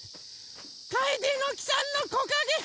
カエデの木さんのこかげ。